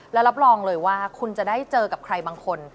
และรับรองเลยว่าคุณจะได้เจอกับใครบางคน